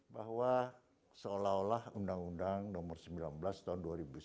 bahwa seolah olah undang undang nomor sembilan belas tahun dua ribu sembilan belas